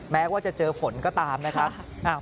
แม้ว่าจะเจอฝนก็ตามนะครับ